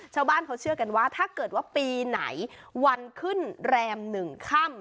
ชาวบ้านเขาเชื่อกันว่าถ้าเกิดว่าปีไหนวันขึ้นแรม๑ค่ำ